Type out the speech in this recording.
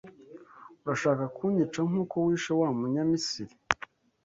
Urashaka kunyica nk’uko wishe wa Munyamisiri